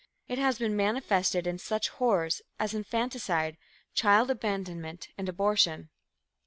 It has been manifested in such horrors as infanticide, child abandonment and abortion.